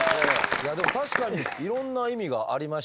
いやでも確かにいろんな意味がありましたし。